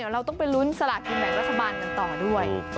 เราต้องไปลุ้นสลากกินแบ่งรัฐบาลกันต่อด้วย